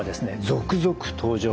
「続々登場！